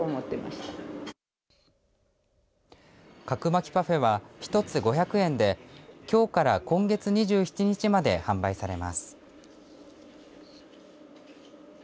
かくまきパフェは１つ５００円できょうから今月２７日まで販売されます。